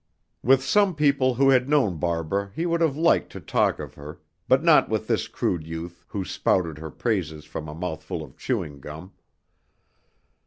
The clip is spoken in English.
With some people who had known Barbara he would have liked to talk of her, but not with this crude youth who spouted her praises from a mouth full of chewing gum.